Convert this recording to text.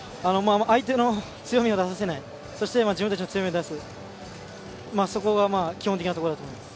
相手の強みを出させない、そして自分たちの強みを出す、そこが基本的なことだと思います。